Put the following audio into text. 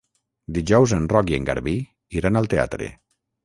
Dijous en Roc i en Garbí iran al teatre.